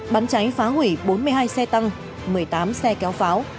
bắn cháy phá hủy bốn mươi hai xe tăng một mươi tám xe kéo pháo